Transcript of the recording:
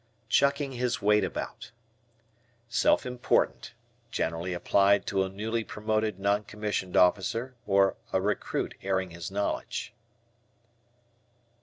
"Chucking his weight about." Self important. Generally applied to a newly promoted non commissioned officer or a recruit airing his knowledge.